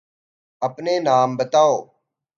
أپنے نام بتاؤ۔